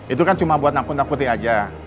itu kan cuma buat nakut nakuti aja